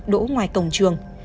đỗ ngoài cổng trường